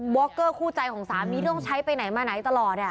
็อกเกอร์คู่ใจของสามีต้องใช้ไปไหนมาไหนตลอด